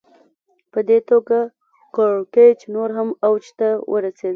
په دې توګه کړکېچ نور هم اوج ته ورسېد